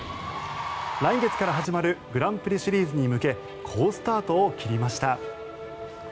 来月から始まるグランプリシリーズに向け好スタートを切りました。